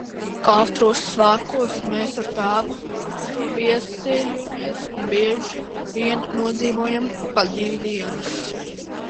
Katros svētkos mēs ar tēvu tur viesojāmies un bieži vien nodzīvojām pa divi dienas.